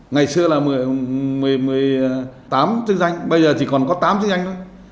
ngày xưa là một mươi tám chức danh bây giờ chỉ còn có tám chức danh thôi